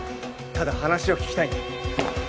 ただ話を聞きたいんだ。